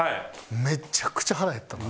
めちゃくちゃ腹減ったな。